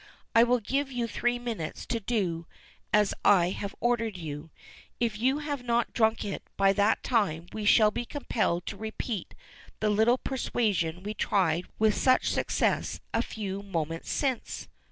I will give you three minutes to do as I have ordered you. If you have not drunk it by that time we shall be compelled to repeat the little persuasion we tried with such success a few moments since."